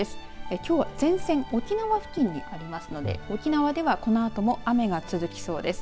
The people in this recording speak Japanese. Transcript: きょうは前線沖縄付近にありますので沖縄では、このあとも雨が続きそうです。